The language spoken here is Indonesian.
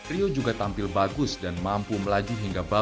rio juga tampil bagus dan mampu melaji hingga berjalan